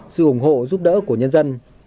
sự ủng hộ giúp đỡ của nhân dân